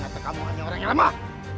atau kamu hanya orang yang lemah